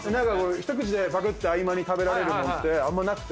一口でパクって合間に食べられるもんってあんまなくて。